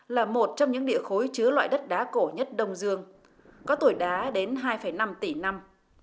là một trong những địa khối chứa loại đất đá cổ nhất đông dương có tuổi đá đến hai năm tỷ năm